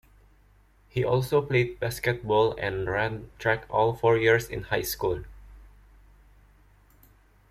He also played basketball and ran track all four years in high school.